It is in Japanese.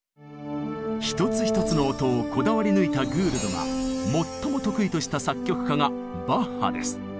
一つ一つの音をこだわり抜いたグールドが最も得意とした作曲家がバッハです。